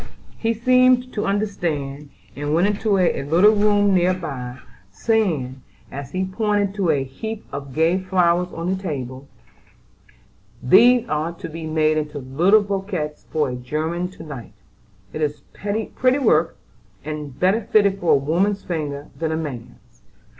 He seemed to understand, and went into a little room near by, saying, as he pointed to a heap of gay flowers on the table: "These are to be made into little bouquets for a 'German' to night. It is pretty work, and better fitted for a woman's fingers than a man's.